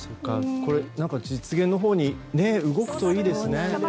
実現のほうに動くといいですね。